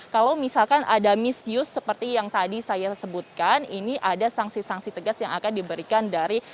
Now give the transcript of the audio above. kalau misalkan ada missius seperti yang tadi saya sebutkan ini ada sanksi sanksi tegas yang akan diberikan dari